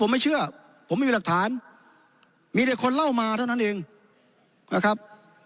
ผมไม่เชื่อผมไม่มีหลักฐานมีแต่คนเล่ามาเท่านั้นเองนะครับ